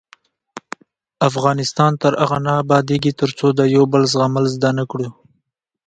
افغانستان تر هغو نه ابادیږي، ترڅو د یو بل زغمل زده نکړو.